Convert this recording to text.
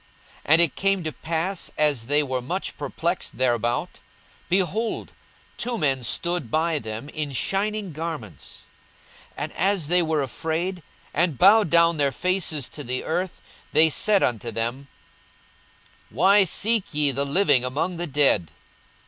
42:024:004 And it came to pass, as they were much perplexed thereabout, behold, two men stood by them in shining garments: 42:024:005 And as they were afraid, and bowed down their faces to the earth, they said unto them, Why seek ye the living among the dead?